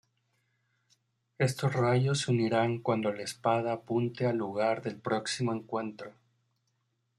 Estos rayos se unirán cuando la espada apunte al lugar del próximo encuentro.